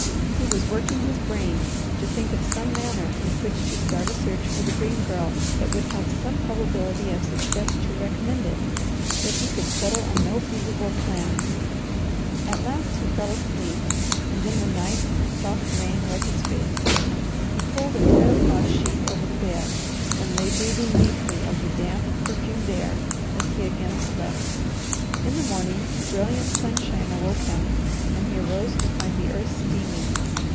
He was working his brain to think of some manner in which to start a search for the Dream Girl that would have some probability of success to recommend it, but he could settle on no feasible plan. At last he fell asleep, and in the night soft rain wet his face. He pulled an oilcloth sheet over the bed, and lay breathing deeply of the damp, perfumed air as he again slept. In the morning brilliant sunshine awoke him and he arose to find the earth steaming.